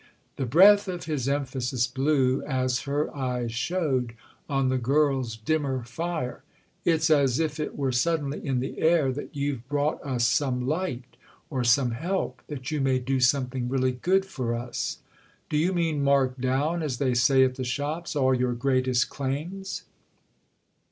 The breath of his emphasis blew, as her eyes showed, on the girl's dimmer fire. "It's as if it were suddenly in the air that you've brought us some light or some help—that you may do something really good for us." "Do you mean 'mark down,' as they say at the shops, all your greatest claims?"